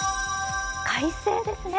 快晴ですね。